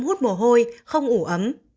trẻ thấm hút mồ hôi không ủ ấm